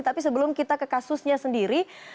tapi sebelum kita ke kasusnya sendiri